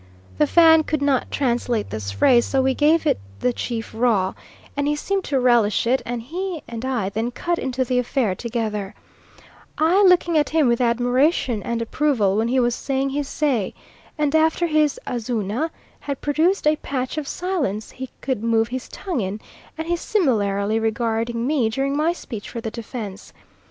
The Fan could not translate this phrase, so we gave it the chief raw; and he seemed to relish it, and he and I then cut into the affair together, I looking at him with admiration and approval when he was saying his say, and after his "Azuna" had produced a patch of silence he could move his tongue in, and he similarly regarding me during my speech for the defence.